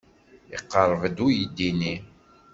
Iqerreb-d uydi-nni.